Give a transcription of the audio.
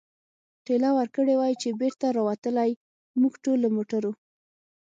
ټېله ورکړې وای، چې بېرته را وتلای، موږ ټول له موټرو.